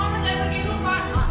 gua mau ajaknya pergi dulu fah